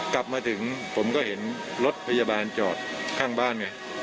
กลับมาถึงผมก็เห็นรถพยาบาลจอดข้างบ้านไง